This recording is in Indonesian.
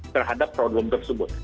terhadap problem tersebut